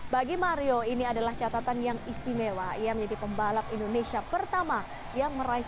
bagi mario ini adalah catatan yang istimewa ia menjadi pembalap indonesia pertama yang meraih